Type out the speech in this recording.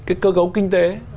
cái cơ cấu kinh tế